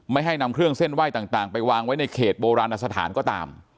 ไม่ให้นำเครื่องเส้นไหว้ต่างไปวางไว้ในเขตโบราณสถานก็ตาม